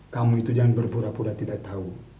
kamu itu jangan berpura pura tidak tahu